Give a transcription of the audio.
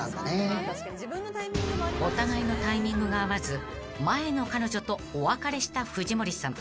［お互いのタイミングが合わず前の彼女とお別れした藤森さん］